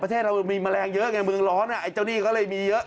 ประเทศเรามีแมลงเยอะไงเมืองร้อนไอ้เจ้าหนี้ก็เลยมีเยอะ